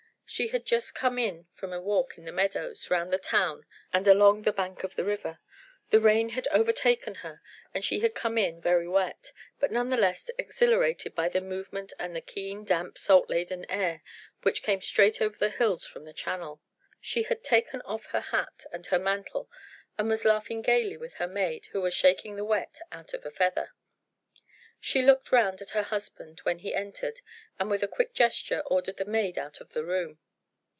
She had just come in from a walk in the meadows round the town and along the bank of the river: the rain had overtaken her and she had come in very wet, but none the less exhilarated by the movement and the keen, damp, salt laden air which came straight over the hills from the Channel. She had taken off her hat and her mantle and was laughing gaily with her maid who was shaking the wet out of a feather. She looked round at her husband when he entered, and with a quick gesture ordered the maid out of the room.